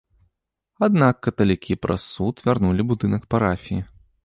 Аднак каталікі праз суд вярнулі будынак парафіі.